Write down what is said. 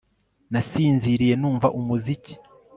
Nasinziriye numva umuziki